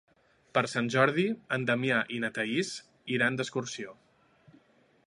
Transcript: Per Sant Jordi en Damià i na Thaís iran d'excursió.